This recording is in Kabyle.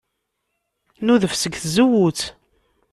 Nudef seg tzewwut.